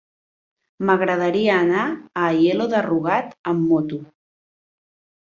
M'agradaria anar a Aielo de Rugat amb moto.